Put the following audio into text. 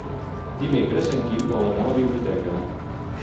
Dimecres en Quim vol anar a la biblioteca.